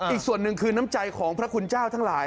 อีกส่วนหนึ่งคือน้ำใจของพระคุณเจ้าทั้งหลาย